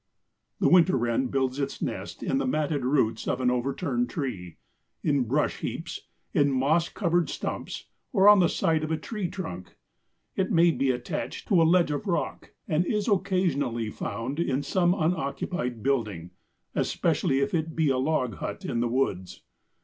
The Winter Wren builds its nest in the matted roots of an overturned tree, in brush heaps, in moss covered stumps, or on the side of a tree trunk. It may be attached to a ledge of rock, and is occasionally found in some unoccupied building, especially if it be a log hut in the woods.